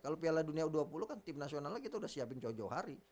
kalau piala dunia u dua puluh kan tim nasional lagi kita udah siapin jauh jauh hari